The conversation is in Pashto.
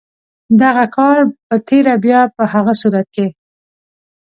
دغه کار په تېره بیا په هغه صورت کې.